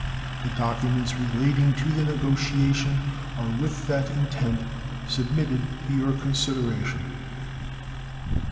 The documents relating to the negotiation are with that intent submitted to your consideration.